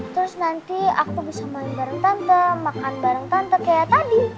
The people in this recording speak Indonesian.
terus nanti aku bisa main bareng tante makan bareng tante kayak tadi